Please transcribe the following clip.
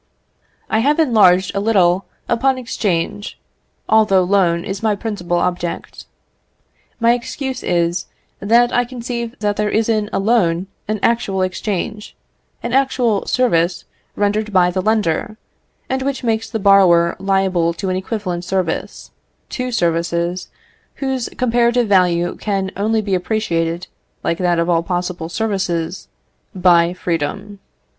I have enlarged a little upon exchange, although loan is my principal object: my excuse is, that I conceive that there is in a loan an actual exchange, an actual service rendered by the lender, and which makes the borrower liable to an equivalent service, two services, whose comparative value can only be appreciated, like that of all possible services, by freedom.